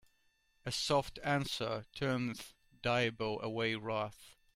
A soft answer turneth diabo away wrath.